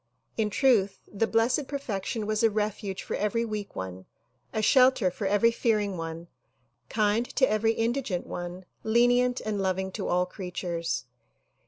In truth the Blessed Perfection was a refuge for eveiy weak one, a shelter for every fearing one, kind to every indigent one, lenient and loving to all creatures.